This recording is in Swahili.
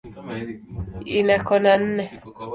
Ina kona nne.